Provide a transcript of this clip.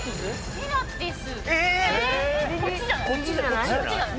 ピラティス。